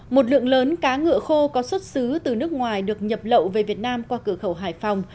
một lượng lớn cá ngựa khô có xuất xứ từ nước ngoài được nhập lậu về việt nam qua cửa khẩu hải phòng